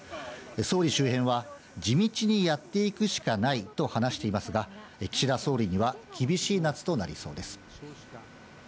総理周辺は、地道にやっていくしかないと話していますが、岸田総理には厳しい夏となりそうです。